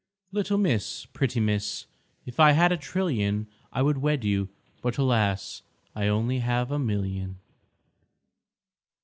"Little Miss, pretty Miss, If I had a trillion I would wed you, but, alas! I only have a million!"